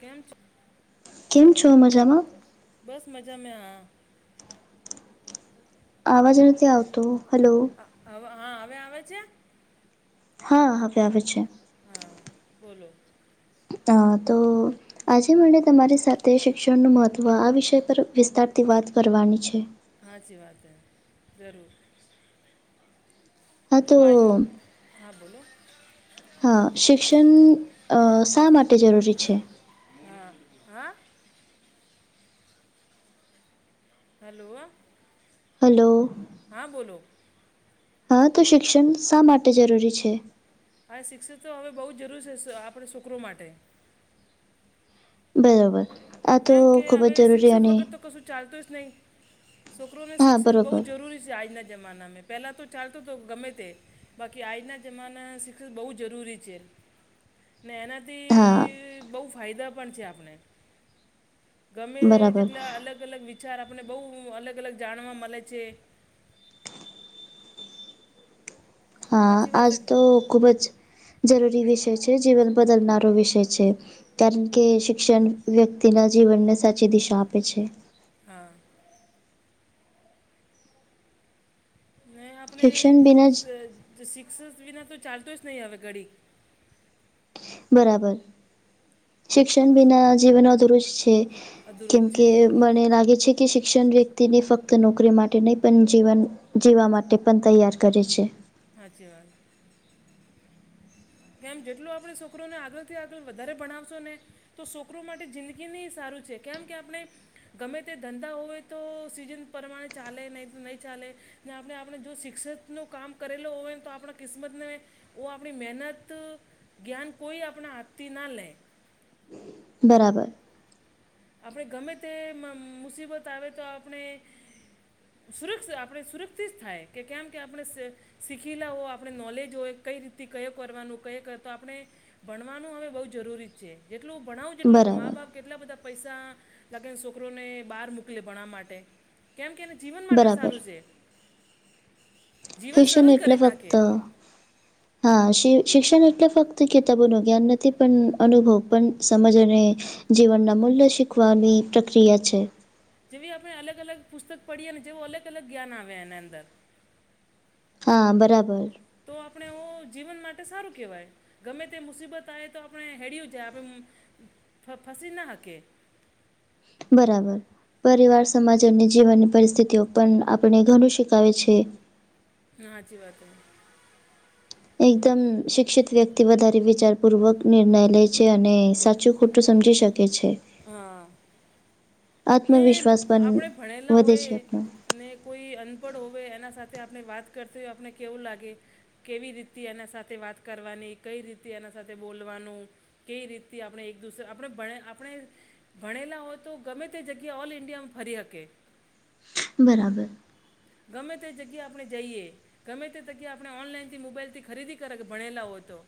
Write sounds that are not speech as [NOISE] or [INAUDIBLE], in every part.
કેમ છો? કેમ છો મજામાં? બસ મજા માં. આવાજ નથી આવતો, હલો. અ હવે હા હવે આવે છે? હા, હવે આવે છે. હા બોલો. હા તો આજે મને તમારી સાથે શિક્ષણનું મહત્વ, આ વિષય પર વિસ્તારથી વાત કરવાની છે. હાચી વાત હે, જરૂર. હા જો તો આન, હા બોલો. હા શિક્ષણ. અ શા માટે જરૂરી છે હા હા. હલો. હલો. હા બોલો. હા તો શિક્ષણ શા માટે જરૂરી છે? હા શિક્ષણ તો હવે બહુ જરૂર છે, આ આપણે શોકરો માટે. બરાબર, આ તો ખૂબ જ જરૂરી અને ચાલતોશ નહીં, છોકરોને હા શિક્ષણ બહુ બરોબર જરૂરી છે, આજના જમાનામાં પહેલાં તો ચાલતું તો ગમેતે, બાકી આજના જમાના શિક્ષણ બહુ જરૂરી છે. ને હા એનાથી બહુ ફાયદા પણ છે આપણને. ગમે બરાબર જેટલા અલગ અલગ વિચાર આપને બહુ અલગ અલગ જાણવા મળે છે. હ સાચી વાત આજ હે કે તો ખુબ જ જરૂરી વિષય છે જીવન બદલનારો વિષય છે. કારણ કે શિક્ષણ વ્યક્તિના જીવનને સાચી દિશા આપે છે. હા. ને આપણે શિક્ષણ બિના જ શિક્ષક વિના તો ચાલતું જ નહીં હવે ઘડી બરાબર શિક્ષણ બીના જીવન અધુર જ છે અધૂરો જ છે કેમકે મને લાગે છે કે શિક્ષણ વ્યક્તિને ફક્ત નોકરી માટે નહીં પણ જીવન જીવા માટે પણ તૈયાર કરે છે. હાચી વાત. કેમ જેટલું આપડે છોકરોને આગળથી આગળ વધારે ભણાવશો ને તો છોકરો માટે જિંદગીની સારું છે કેમ કે આપણે ગમે તે ધંધા હોય તો સિઝન પ્રમાણે ચાલે નહીં તો નહીં ચાલે ને આપણે આપણે જો શિક્ષિતનું કામ કરેલો હોય ને તો આપણા કિસ્મતને ઓ આપણી મહેનત તો જ્ઞાન કોઈ આપણા હાથથી ના લે બરાબર. આપણે ગમે તે મુસીબત આવે તો આપણે સુરક્ષિત આપણે સુરક્ષિત થાય કે કેમ કે આપણે શીખેલા હો આપણે નોલેજ હોય કઈ રીતે કયો કરવાનું કયો તો આપણે ભણવાનું હવે બહુ જરૂરી છે જેટલું ભણાવું જેટલું મા બરાબર બાપ કેટલા બધા પૈસા લાગેને છોકરોને બહાર મોકલે ભણવા માટે. કેમ કે એને જીવન માટે બરાબર સારું છે જીવન શિક્ષણ સરળ એટલે કરી નાખે [INAUDIBLE] હા શિક્ષણ એટલે ફક્ત કિતાબો નું જ્ઞાન નથી પણ અનુભવ પણ સમજ અને જીવનના મૂલ્ય શીખવાની પ્રક્રિયા છે. જેવી આપણે અગલ પુસ્તક પડીએ ને જેવું અલગ અલગ જ્ઞાન આવ્યા એના અંદર હા બરાબર. તો આપણે ઓ જીવન માટે સારું કહેવાય. ગમે તે મુશિબત આવે તો આપણે હેળિયુ જાય આપણે ફસી ના હકી બરાબર. પરિવાર સમાજ અને જીવનની પરિસ્થિતિઓ પણ આપણે ઘણું શીખાવે છે. ના હાચી વાત એકદમ શિક્ષિત વ્યક્તિ વધારે વિચારપૂર્વક નિર્ણય લે છે અને સાચું ખોટું સમજી શકે. કે છે. હા. ને આત્મવિશ્વાસ પણ આપણેે ભણેલા વધે છે હોય આપણો. ને કોઈ અનપડ હોવે એના સાથે આપણે વાત કરતી હોય આપને કેવું લાગે કેવી રીતે એના સાથે વાત કરવાની કઈ રીતે એના સાથે બોલવાનું કઈ રીત આપણે એક દૂસર આપણે ભણે આપણે ભણેલા હોય તો ગમે તે જગ્યા ઓલ ઇન્ડિયા ફરી શકીએ. બરાબર. ગમે તે જગ્યા આપણે જઈએ ગમે તે જગ્યા આપણે ઓનલાઈન થી મોબાઈલ થી ખરીદી કરે ભણેલા હોય તો.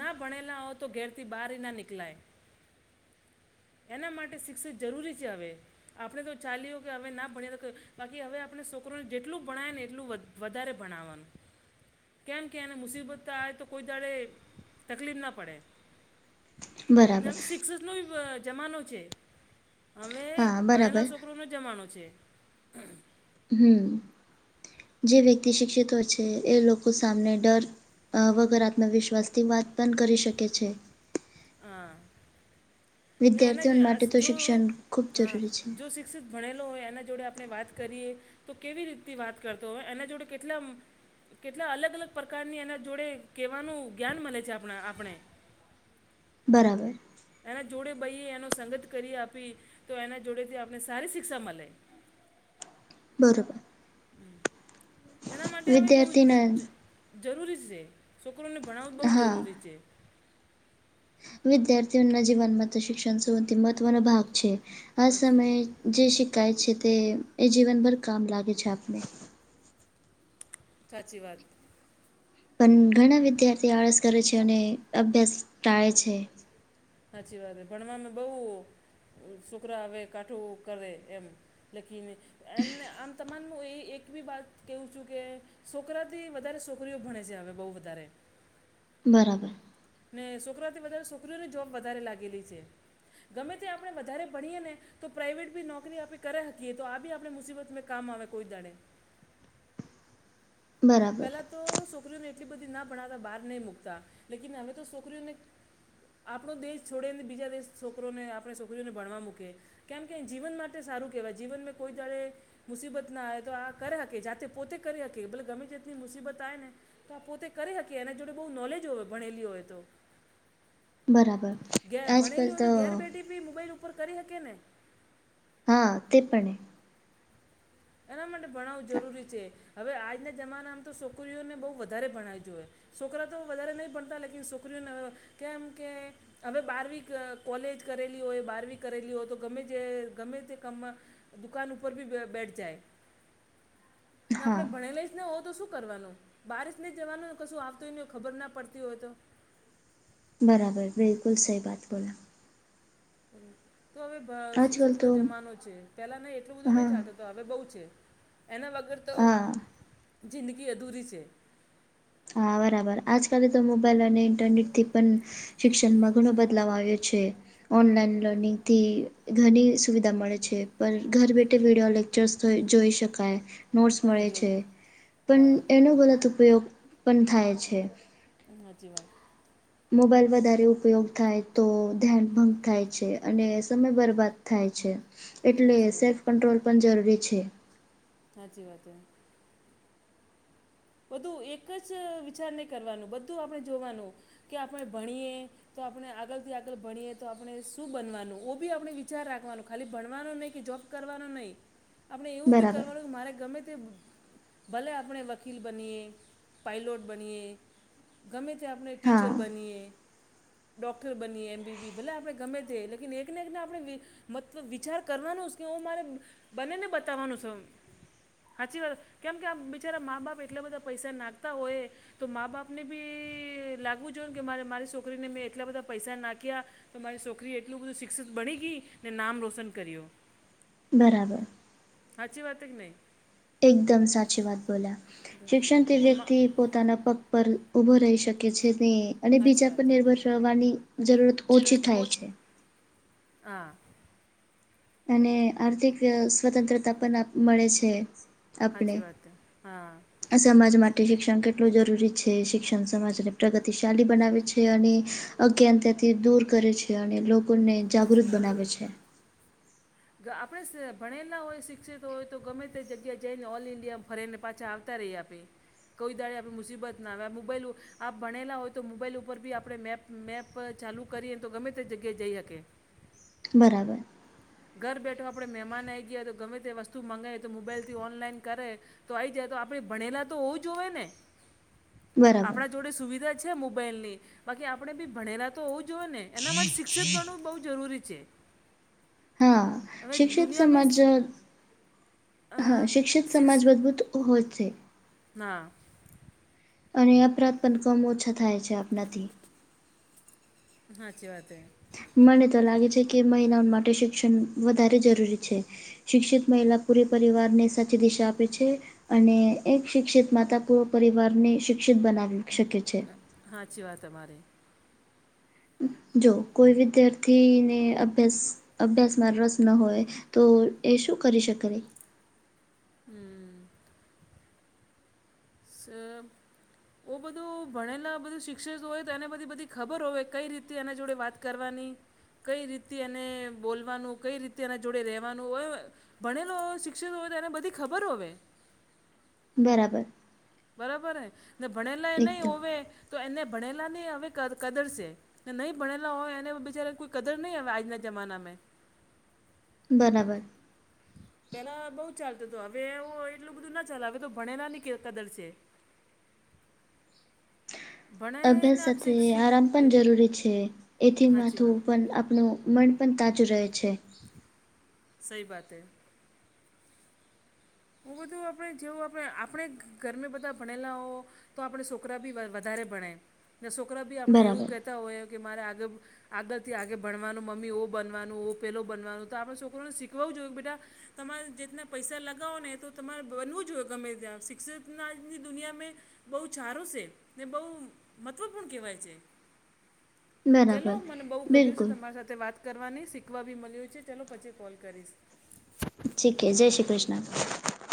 ના ભણેલા હો તો ઘેર થી બહાર ના નીકલાય. હ. એના માટે શિક્ષણ જરૂરી છે હવે આપડે તો ચાલી હો ગયા હવે ના ભણીએ [UNINTELLIGIBLE] બાકી હવે આપણે સો કરોન જેટલું ભણાય ને એટલું વધારે ભણવાનું કેમ કે એને મુસીબતતા આવે તો કોઈ દાડે તકલીફ ન પડે. બરાબર. હવે સિક્સસનો [UNINTELLIGIBLE] જમાનો છે. અવે હા, બરાબર. ભણેલા સોકરોનો જમાનો છે. હમ્મ, જે વ્યક્તિ શિક્ષિત હોય છે એ લોકો સામે ડર. અ વગર આત્મવિશ્વાસથી વાત પણ કરી શકે છે. હા વિદ્યાર્થીઓ માટે તો [UNINTELLIGIBLE] જો શિક્ષણ ખૂબ હ જરૂરી છે. જો શિ ક્ષિત ભણેલો હોય એના જોડે આપણે વાત કરીએ તો કેવી રીતથી વાત કરતો હોય એના જોડે કેટલા આમ કેટલા અલગ-અલગ પરકારની એના જોડે કેવાનું જ્ઞાન મલે છે, આપણા આપણે. બરાબર એના જોડે બહિયે એનો સંગત કરીએ આપી તો એના જોડેથી આપણે સારી શિક્ષા મલે. બરોબર [INAUDIBLE] એના માટે હવે બહુ વિદ્યાર્થીના જ-જ-જરૂરી છે, છોકરોને ભણાવવું બહુ હા જરૂરી છે. વિદ્યાર્થીઓના જીવનમાં તો શિક્ષણ સૌથી મહત્વનો ભાગ છે, આ સાચી સમયે જે શિકાય છે તે એ જીવનભર કામ લાગે છે આપણને. સાચી વાત. પન ઘણા વિદ્યાર્થી આળસ કરે છે અને અભ્યાસ ટાળે છે. હાચી વાત હે ભણવામાં બઉ સોકરા હવે કાઠું કરે એમ, લેકિન એમને આમ તમામ હોએ એક બી વાત કેવું છું કે સોકરાથી વધારે સોકરીઓ ભણે છે, હવે બહુ વધારે. બરાબર ને સોકરાઓથી વધારે સોકરીઓની જોબ વધારે લાગેલી છે, ગમે તે આપણે વધારે ભણીએ ને તો પ્રાઈવેટ બી નોકરી આપે કરે હકીએ તો આ બી આપે મુસીબત કામ આવે કોઈ દાડે. બરાબર પહેલાં તો સોકરીઓને એટલી બધી ના ભણતા બહાર નહી મુકતા લેકીન હવે તો છોકરીઓને આપણો દેશ છોડીને બીજા દેશ છોકરોને આપણે સોકરીઓને ભણવા મુકે કેમ કે જીવન માટે સારું કેહવાય જીવન મે કોઈ દાડે મુસીબત ના આવે તો આ કરે હકે જાતે પોતે કરી હકે ભલે ગમે તે ની મુસીબત આએ ને તો આ પોતે કરી હકીએ એના જોડે બહુ નોલેજ હોય ભણેલી હોય તો. બરાબર ઘે આજ-કલ ભણેલી હોય તો. ઘેર બેઠી બી મોબાઈલ ઉપર કરી હકે ને. હા, તે પણે. એના માટે ભણાવવું જરૂરી છે, હવે આજના જમાનામ તો સોકરીઓને બહુ વધારે ભણાવી જોએ. સોકરા તો વધારે નહી ભણતા લેકીન સોકરીઓને [UNINTELLIGIBLE] કેમ કે હવે બારવી ક-કોલેજ કરેલી હોય, બારવી કરેલી હોય તો ગમે તે ગમે તે કમમાં દુકાન ઉપર બી બ-બેઠ જાય, ને આપણે ભણેલા નો હોવ તો શું કરવાનું, બારીસ ન જવાનું કશું આવતુંય ન હોય ખબર ના પડતી હોય તો. બરાબર બિલકુલ સહી બાત બોલા. તો હવે ભ આજકાલ શિક્ષકનો તો જમાનો છે, પેલા ના એટલું બધું હા નહી ચાલતું તો હવે બહુ છે, એના વગર તો હા જિંદગી અધૂરી છે. હા, બરાબર આજ-કાલે તો મોબાઈલ અને ઇન્ટરનેટથી પણ શિક્ષણમાં ઘણો બદલાવ આવ્યો છે, ઓનલાઈન લર્નિંગથી. અનેક સુવિધા મળે છે, પણ ઘર બેઠા બેઠા લેક્ચર્સ જોઈ શકાય. નોટ્સ હા મળે જોઈ છે, હા પણ એનો ગલત ઉપયોગ પણ થાય છે. [UNINTELLIGIBLE] વાત મોબાઈલ વધારે ઉપયોગ થાય તો ધ્યાન ભંગ થાય છે, અને સમય બરબાદ થાય છે. એટલે સાચી વાત સેલ્ફ કંટ્રોલ પણ જરૂરી છે. સાચી વાત છે. બધું એક જ વિચાર નહી કરવાનું બધું જ આપણે કે આપણે ભણીએ. તો આપણે આગળથી આગળ ભણીએ તો આપણે શું બનવાનું ઓ બી આપણે વિચાર રાખવાનો ખાલી ભણવાનો નહીં કે જોબ... કરવાનું નહીં આપણે એવું બી બરાબર કરવાનું મારે ગમે તે ભલે આપણે.... વકીલ બનીએ, પાયલોટ બનીએ, ગમે ત્યાં આપણે ટીચર હા બનીએ. ડોક્ટર બનીએ એમબીબી ભલે આપણે ગમે તે લેકિન એકને એક આપણે... મતલબ વિચાર કરવાનો છે કે હું મારે બનીને બતાવવાનું છે. સાચી વાત કેમ કે આ બિચારા મા બાપ એટલા બધા પૈસા નાખતા હોય. તો મા બાપને બી લાગવું જોઈને કે મારે મારી છોકરીને બી મેં એટલા બધા પૈસા નાખ્યા. તો મારી છોકરી એટલું બધું શિક્ષિત બની ગઈને નામ રોશન કર્યું. બરાબર. હાચી વાત જ નઈ. એકદમ સાચી વાત બોલ્યા શિક્ષણથી તો મા વ્યક્તિ... પોતાના પગ પર ઊભો રહી શકે છે તે... અને સાચી બીજા વાત પર છે નિર્ભર રહેવાની જરૂરત ઓછી થાય છે. હા. અને આર્થિક... સ્વતંત્રતા પણ મળે છે. આપણે.... સાચી વાત છે હા સમાજ માટે શિક્ષણ કેટલું જરૂરી છે શિક્ષણ સમાજને પ્રગતિશાલી બનાવે છે. અને... અજ્ઞાનતા્યાથી દૂર કરે છે અને લોકોને સાચી જાગૃત વાત બનાવે છે. આપણે ભણેલા હોય શિક્ષિત હોય તો ગમે તે જગ્યા જઈ ને ઓલ ઈન્ડિયામાં ફરે ને પાછા... [UNINTELLIGIBLE] આપે કોઈ દાડી આપે મુસીબત ના આવે મોબાઈલ... આપ ભણેલા હોય તો મોબાઈલ ઉપર બી આપણે મેપ મેપ ચાલુ કરીએ તો ગમે તે જગ્યાએ જઈ શકે. બરાબર. ઘર બેઠો આપણે મહેમાન આવી ગયા તો ગમે તે વસ્તુ મગાય તો મોબાઈલથી ઓનલાઈન કરે. તો આવી જાય તો આપણેે ભણેલા તો હોવુ જોએ ને. બરાબર આપણા જોડે સુવિધા છે મોબાઈલની બાકી આપણે બી ભણેલા તો... તો હોવું જોએ ને એના માટે શિક્ષિત બનવું બહુ જરૂરી છે. હા હવે શિક્ષિત દુનિયામાં સમાજ. હા શિક્ષિત શિક્ષ સમાજ મજબૂત..... [UNINTELLIGIBLE] ના. અને અપરાધ પણ કમ ઓછા થાય આપણાથી... હાચી વાત. મને તો લાગે છે કે મહિલાઓ માટે શિક્ષણ વધારે જરૂરી છે. શિક્ષિત મહિલા પૂરી પરિવાર ને સાચી દિશા આપે છે. અને એક શિક્ષિત માતા પુરો પરિવારને શિક્ષિત બનાવી શકે છે. હાચી વાત તમારી. જો કોઈ વિદ્યાર્થીને અભ્યાસ અભ્યાસમાં રસ ન હોય. તો એ શું કરી શકે. હમ... સ... ઓ બધું ભણેલા બધું શિક્ષકો હોય તો એને બધી બધી ખબર હોય કઈ રીતે એના જોડે વાત. કરવાની કઈ રીતે એને બોલવાનું કઈ રીતે એના જોડે રહેવાનું. ભણેલો હોય શિક્ષિત હોય તો એને બધી ખબર હો. બરાબર..... બરાબર હ ને ભણેલા એ એકદમ નહી. તો એને ભણેલા નહી હવે કડલ છે. નહી ભણેલા હોય એને બચાર કોઈ કદર નહી. આવે આજના જમાનાં મેં. બરાબર.... પેલા બઉ ચાલતું હતું. હવે એવું એટલું બધું ના ચલે હવે તો ભણેલા ની કદર છે. અભ્યાસ ભણાયને આપ સાથે શિક્ષિત આરામ પણ જરૂરી છે. એથી હાચી માથું વાત પણ આપનું મન પણ તાજું રહે છે. સહી બાત હે? હ બધું આપણે જેવું આપણે આપણે ઘરમે બધા ભણેલા હો્ તો આપણે સોકરા બી વધારે ભણે સોકરા બી આપણે એવું બરાબર કેતા હોય કે મારે આગર. આગળથી આગે ભણવાનું મમ્મી ઓ બનવાનું, ઓ પેલો બનવાનું, તો આપણે સોકરોને શીખવવું જોઈએ કે બેટા. તમારે જેતના પૈસા લાગે. ન તો તમારે બનવું જોઈએ ગમે ત્યાં શિક્ષકના [UNINTELLIGIBLE] દુનિયા મે. બઉ ચારો ને બઉ મતલબ પણ કેવાય છે. [INAUDIBLE] ચાલો બરાબર મને મને બઉ ગમ્યું સે બિલકુલ તમારી સાથે. વાત કરવાની શીખવા બી મલ્યુ છે. ચલો પછી કોલ કરીશ. ઠીકે જય શ્રી કૃષ્ણ.